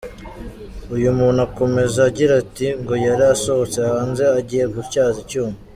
Uyu muntu akomeza agira ati “Ngo yari asohotse hanze agiye gutyaza icyuma.